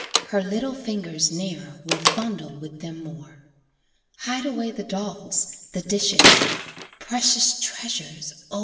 her little fingers Ne'er will fondle with them more. Hide away the dolls, the dishes Precious treasures! O!